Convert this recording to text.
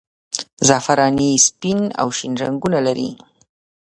زعفراني سپین او شین رنګونه لري.